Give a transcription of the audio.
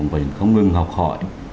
phải không ngừng học hỏi